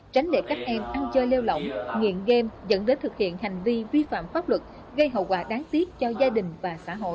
tránh để các em ăn chơi lêu lỏng nghiện game dẫn đến thực hiện hành vi vi phạm pháp luật gây hậu quả đáng tiếc cho gia đình và xã hội